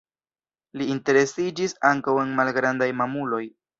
Li interesiĝis ankaŭ en malgrandaj mamuloj.